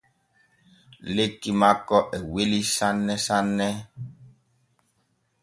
Lekki makko e weli sanne sanne.